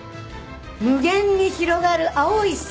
無限にひろがる青い空！